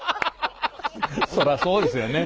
そらそうですよね。